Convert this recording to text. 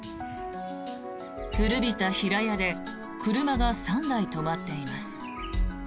古びた平屋で車が３台止まっています。